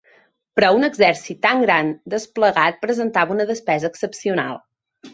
Però un exèrcit tan gran desplegat representava una despesa excepcional.